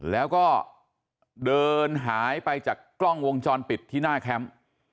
แล้วก็เดินหายไปจากกล้องวงจรปิดที่หน้าแคมป์